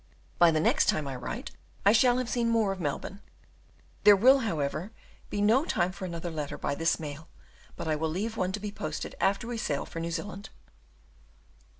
By the next time I write I shall have seen more of Melbourne; there will, however, be no time for another letter by this mail; but I will leave one to be posted after we sail for New Zealand.